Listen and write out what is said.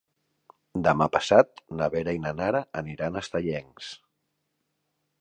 Demà passat na Vera i na Nara aniran a Estellencs.